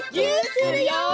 するよ！